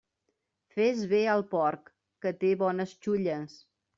Fes bé al porc, que té bones xulles.